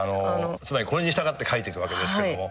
つまりこれに従って書いていくわけですけども。